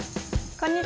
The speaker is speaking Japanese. こんにちは。